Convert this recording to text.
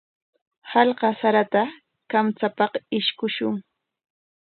Qallwa sarata kamchapaq ishkushun.